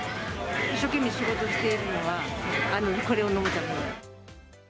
一生懸命仕事してるのは、これを飲むため。